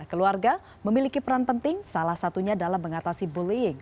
keluarga memiliki peran penting salah satunya dalam mengatasi bullying